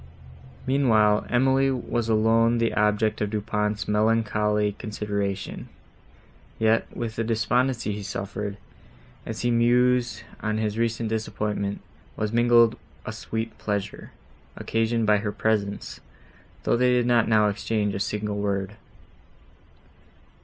Meanwhile, Emily was alone the object of Du Pont's melancholy consideration; yet, with the despondency he suffered, as he mused on his recent disappointment, was mingled a sweet pleasure, occasioned by her presence, though they did not now exchange a single word.